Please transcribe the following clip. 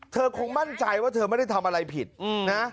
เธอคงมั่นใจว่าเธอไม่ได้ทำอะไรผิดนะ